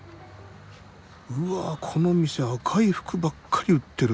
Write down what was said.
うわこの店赤い服ばっかり売ってる。